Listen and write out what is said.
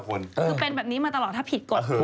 คือเป็นแบบนี้มาตลอดถ้าผิดกฎหมาย